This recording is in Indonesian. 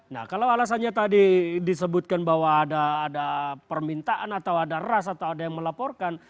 nah kalau alasannya tadi disebutkan bahwa ada permintaan atau ada ras atau ada yang melaporkan